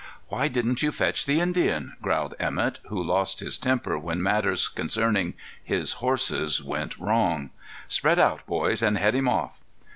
"Why didn't you fetch the Indian?" growled Emett, who lost his temper when matters concerning his horses went wrong. "Spread out, boys, and head him off."